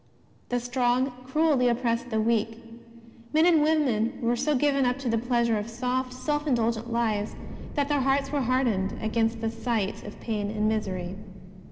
The strong cruelly oppressed the weak. Men and women were so given up to the pleasure of soft, self indulgent lives, that their hearts were hardened against the sight of pain and misery.